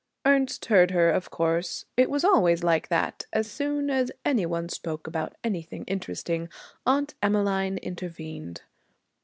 Ernest heard her, of course. It was always like that: as soon as any one spoke about anything interesting, Aunt Emmeline intervened.